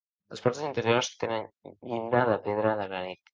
Les portes interiors tenen llinda de pedra de granit.